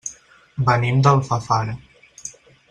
Venim d'Alfafara.